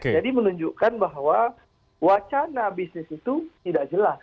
menunjukkan bahwa wacana bisnis itu tidak jelas